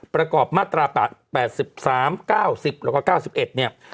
ประกอบมาตรา๘๓๙๐แล้วก็๙๑เนี่ย